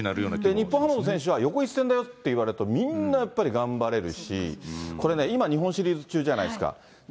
日本ハムの選手は、横一線だよって言われると、みんなやっぱり頑張るし、これね、今、日本シリーズ中じゃないですか。